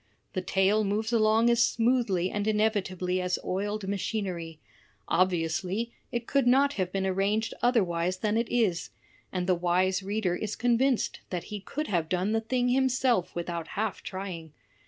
The tale moves along as smoothly and inevitably as oiled machinery; obviously, it could not have been arranged otherwise than it is; and the wise reader is convinced that he could have done the thing himself without half trying.